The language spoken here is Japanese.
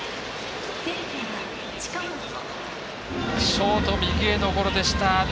ショート、右へのゴロでした。